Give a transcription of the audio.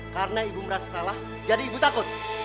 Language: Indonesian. karena ibu merasa salah jadi ibu takut